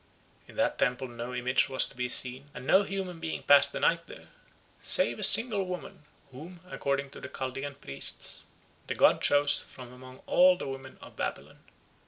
In the temple no image was to be seen, and no human being passed the night there, save a single woman, whom, according to the Chaldean priests, the god chose from among all the women of Babylon.